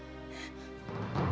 pak ustadz bangun